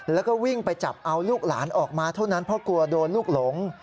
แล้วก็วิ่งไปจับเอาลูกหลานออกมาเท่านั้นเพราะกลัวโดนลูกหลง